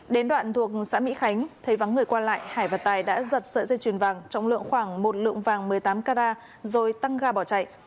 đến đoạn thuộc xã mỹ khánh thấy vắng người qua lại hải và tài đã giật sợi dây chuyền vàng trọng lượng khoảng một lượng vàng một mươi tám carat rồi tăng ga bỏ chạy